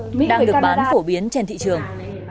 giá chỉ bằng một nửa đang được bán phổ biến trên thị trường